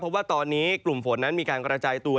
เพราะว่าตอนนี้กลุ่มฝนนั้นมีการกระจายตัว